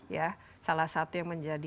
ya salah satu yang menjadi